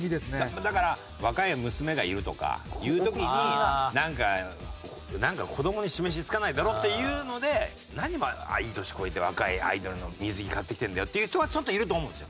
だから若い娘がいるとかいう時になんか子供に示しつかないだろっていうので何いい年こいて若いアイドルの水着買ってきてるんだよっていう人はちょっといると思うんですよ。